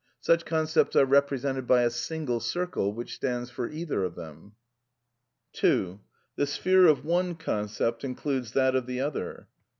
Such concepts are represented by a single circle which stands for either of them. (2.) The sphere of one concept includes that of the other.